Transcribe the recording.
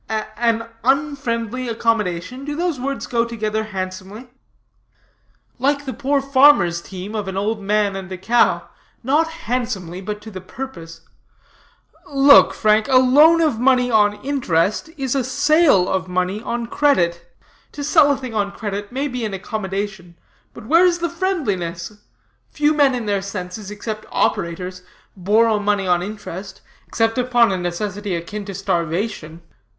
"An unfriendly accommodation? Do those words go together handsomely?" "Like the poor farmer's team, of an old man and a cow not handsomely, but to the purpose. Look, Frank, a loan of money on interest is a sale of money on credit. To sell a thing on credit may be an accommodation, but where is the friendliness? Few men in their senses, except operators, borrow money on interest, except upon a necessity akin to starvation.